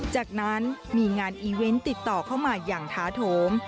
จากนั้นมีงานอีเวนต์ติดต่อเข้ามาอย่างท้าโถม